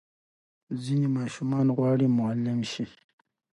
ځینې ماشومان غواړي معلم شي.